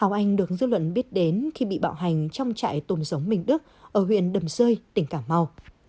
hảo anh được dư luận biết đến khi bị bạo hành trong trại tùm sống minh đức ở huyện đầm sơi tỉnh cảm mau